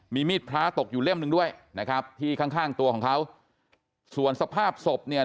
มีมีดพระตกอยู่เล่มหนึ่งด้วยนะครับที่ข้างข้างตัวของเขาส่วนสภาพศพเนี่ย